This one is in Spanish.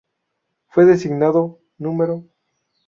Fue designado N°.